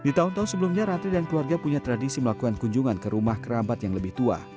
di tahun tahun sebelumnya ratri dan keluarga punya tradisi melakukan kunjungan ke rumah kerabat yang lebih tua